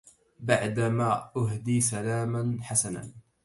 بعد ما أهدي سلاما حسنا